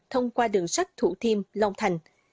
thông qua đường sắt thủ thiêm long thành